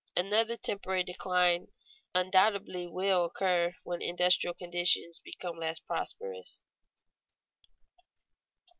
Another temporary decline undoubtedly will occur when industrial conditions become less prosperous.